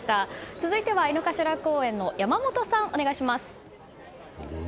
続いては、井の頭公園の山本さんお願いします。